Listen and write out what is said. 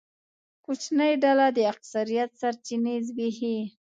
کوچنۍ ډله د اکثریت سرچینې زبېښي.